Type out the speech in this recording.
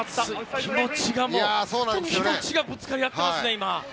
気持ちがぶつかり合ってますね。